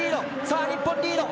さあ日本リード！